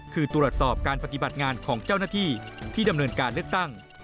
คือตรวจสอบการปฏิบัติงานของเจ้าหน้าที่ที่ดำเนินการเลือกตั้ง